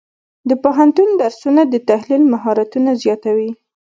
د پوهنتون درسونه د تحلیل مهارتونه زیاتوي.